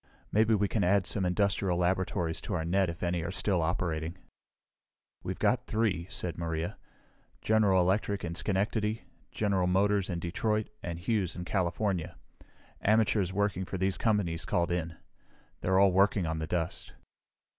Maybe we can add some industrial laboratories to our net if any are still operating." "We've got three," said Maria. "General Electric in Schenectady, General Motors in Detroit, and Hughes in California. Amateurs working for these companies called in. They're all working on the dust."